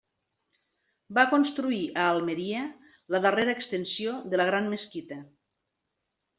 Va construir a Almeria la darrera extensió de la gran mesquita.